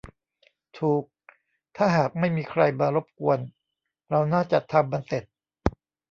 ถูก ถ้าหากไม่มีใครมารบกวนเราน่าจะทำมันเสร็จ